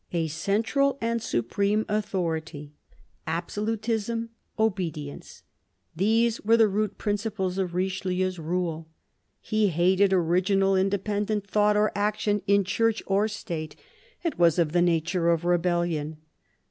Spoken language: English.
^•" A central and supreme authority "; absolutism ; obedi THE CARDINAL 275 ence: these were the root principles of Richelieu's rule. He hated original, independent thought or action, in Church or State ; it was of the nature of rebellion.